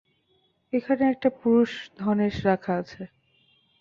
এখানে একটা পুরুষ ধনেশ রাখা আছে।